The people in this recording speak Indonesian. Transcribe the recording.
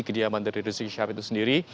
kediaman dari rizik syahab itu sendiri